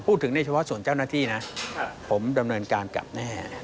พูดถึงในเฉพาะส่วนเจ้าหน้าธี่นะผมดำเนินการกันอยู่แน่